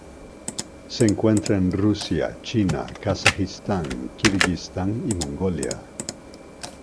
Se encuentra en Rusia, China, Kazajistán, Kirguistán y Mongolia.